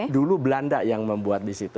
dulu belanda yang membuat di situ